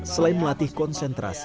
selain melatih konsentrasi